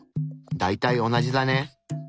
大体同じだね。